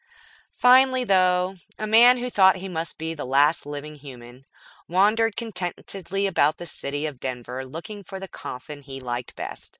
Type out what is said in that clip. Finally, though, a man who thought he must be the last living human, wandered contentedly about the city of Denver looking for the coffin he liked best.